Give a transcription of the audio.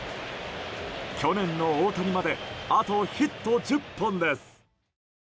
去年の大谷まであとヒット１０本です。